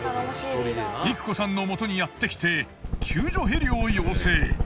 いく子さんのもとにやってきて救助ヘリを要請。